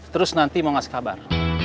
terus nanti mau ngasih kabar